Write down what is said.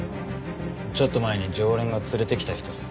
ちょっと前に常連が連れてきた人っすね。